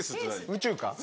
宇宙か？